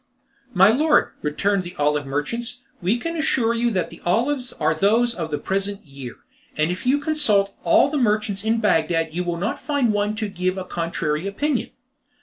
"My lord," returned the olive merchants, "we can assure you that the olives are those of the present year. And if you consult all the merchants in Bagdad you will not find one to give a contrary opinion."